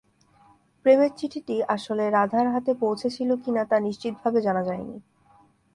প্রেমের চিঠিটি আসলে রাধার হাতে পৌঁছেছিল কিনা তা নিশ্চিতভাবে জানা যায়নি।